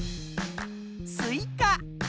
スイカ。